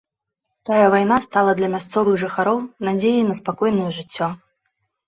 Тая вайна стала для мясцовых жыхароў надзеяй на спакойнае жыццё.